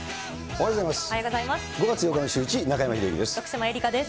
おはようございます。